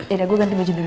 yaudah gue ganti baju dulu